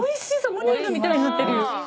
ムニエルみたいになってる。